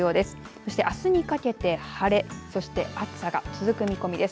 そして、あすにかけて、晴れそして、暑さが続く見込みです。